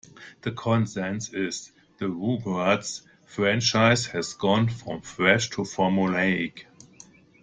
The consensus is, "The "Rugrats" franchise has gone from fresh to formulaic.